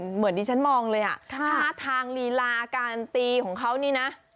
เหมือนที่ฉันมองเลยอ่ะท่าทางลีลาการตีของเขานี่นะ